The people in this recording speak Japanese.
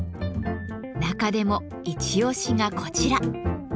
中でも一推しがこちら。